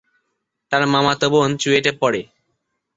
তার মামাতো বোন চুয়েটে পড়ে।